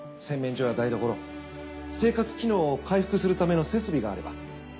洗面所や台所生活機能を回復するための設備があれば。